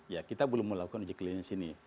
ya kita belum melakukan uji klinis ini